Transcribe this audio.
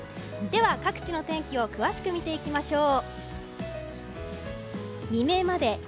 では各地の天気を詳しく見ていきましょう。